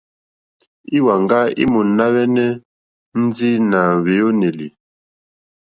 Íwàŋgá í mòná hwɛ́nɛ́ ndí nà hwàónèlì.